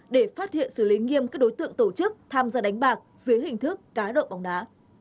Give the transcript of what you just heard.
để phát hiện xử lý nghiêm các đối tượng tổ chức tham gia đánh bạc dưới hình thức cá độ bóng đá